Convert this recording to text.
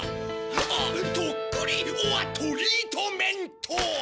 あとっくりオアトリートメント！は？